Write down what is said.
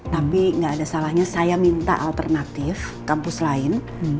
tapi nggak ada salahnya saya minta alternatif kampus lain